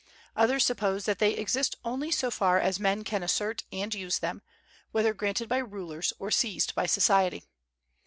Others suppose that they exist only so far as men can assert and use them, whether granted by rulers or seized by society.